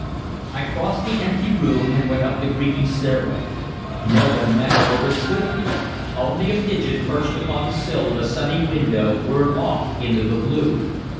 I crossed the empty room and went up the creaking stairway. No one met me or withstood me; only a pigeon perched upon the sill of a sunny window whirred off into the blue.